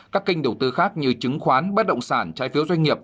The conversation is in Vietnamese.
các kênh đầu tư khác như chứng khoán bất động sản trái phiếu doanh nghiệp